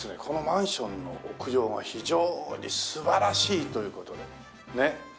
このマンションの屋上が非常に素晴らしいという事でね。